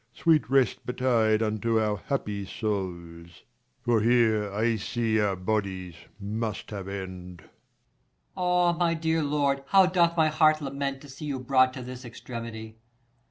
Sweet rest betide unto our happy souls ; For here I see our bodies must have end. Per. Ah, my dear lord, how doth my heart lament, 30 To see you brought to this gxtremity